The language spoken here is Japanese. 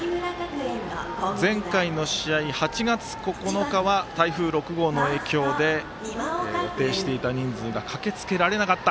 前回の試合、８月９日は台風６号の影響で予定していた人数が駆けつけられなかった。